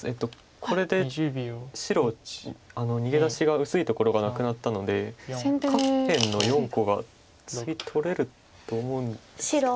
これで白逃げ出しが薄いところがなくなったので下辺の４個が次取れると思うんですけど。